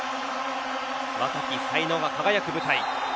若き才能が輝く舞台。